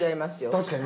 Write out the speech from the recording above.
◆確かに。